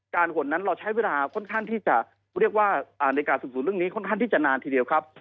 หนนั้นเราใช้เวลาค่อนข้างที่จะเรียกว่าในการสูบสูเรื่องนี้ค่อนข้างที่จะนานทีเดียวครับ